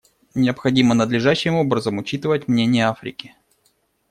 Необходимо надлежащим образом учитывать мнение Африки.